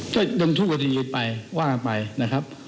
ก็ยังทุกวันที่ยืดไปว่างไปนะครับ